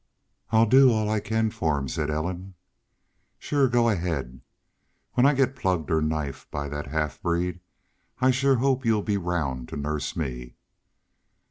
"I'll do all I can for him," said Ellen. "Shore. Go ahaid. When I get plugged or knifed by that half breed I shore hope y'u'll be round to nurse me."